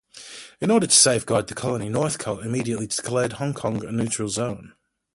In order to safeguard the Colony, Northcote immediately declared Hong Kong a neutral zone.